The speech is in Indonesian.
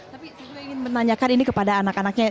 tapi saya juga ingin menanyakan ini kepada anak anaknya